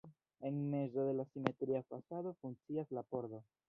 En mezo de la simetria fasado funkcias la pordo.